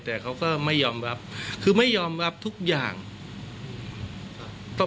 แต่เขาก็ไม่ยอมรับคือไม่ยอมรับทุกอย่างต้อง